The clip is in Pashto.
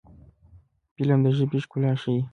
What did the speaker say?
فلم د ژبې ښکلا ښيي